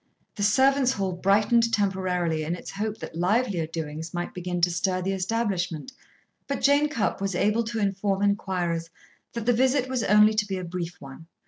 The servants' hall brightened temporarily in its hope that livelier doings might begin to stir the establishment, but Jane Cupp was able to inform inquirers that the visit was only to be a brief one.